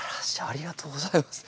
ありがとうございます。